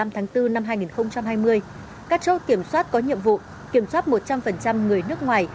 từ ngày bốn tháng bốn năm hai nghìn hai mươi các chốt kiểm soát có nhiệm vụ kiểm soát một trăm linh người nước ngoài